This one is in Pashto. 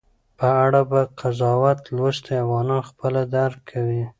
په اړه به قضاوت لوستي افغانان خپله درک وي